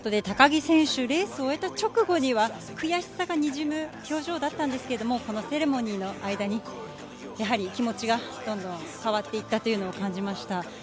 高木選手、レースを終えた直後には悔しさがにじむ表情だったんですけれども、このセレモニーの間に、やはり気持ちがどんどん変わっていったというのを感じました。